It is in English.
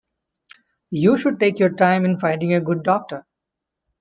You should take your time in finding a good doctor.